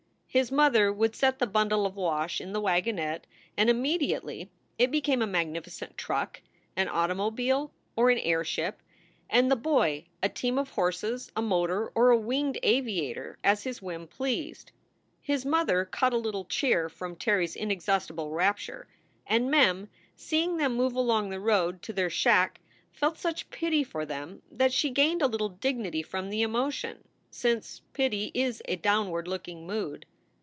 His mother would set the bundle of wash in the wagonette, and imme diately it became a magnificent truck, an automobile, or an airship, and the boy a team of horses, a motor, or a winged aviator, as his whim pleased. His mother caught a little cheer from Terry s inexhaustible rapture, and Mem, seeing them move along the road to their shack, felt such pity for them that she gained a little dignity from the emotion, since pity is a downward looking mood.